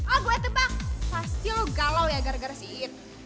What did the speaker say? oh gue tebak pasti lo galau ya gara gara si ic